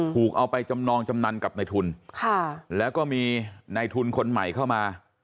ถูกเอาไปจำนองจำนันกับในทุนแล้วก็มีในทุนคนใหม่เข้ามา